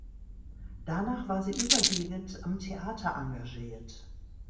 Danach war sie überwiegend am Theater engagiert.